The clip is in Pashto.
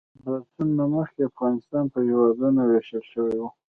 د پاڅون نه مخکې افغانستان په هېوادونو ویشل شوی و.